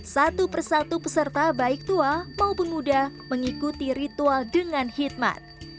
satu persatu peserta baik tua maupun muda mengikuti ritual dengan hikmat